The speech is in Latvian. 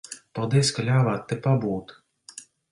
Paldies, ka ļāvāt te pabūt.